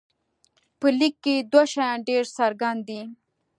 په لیک کې دوه شیان ډېر څرګند دي.